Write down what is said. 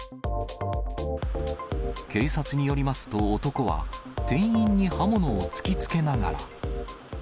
警察によりますと、男は店員に刃物を突きつけながら。